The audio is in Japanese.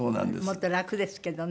もっと楽ですけどね。